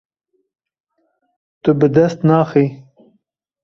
Tu bi dest naxî.